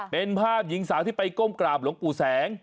เป็นภาพหญิงสาวที่ไปก้มกราบหลวงปู่แสง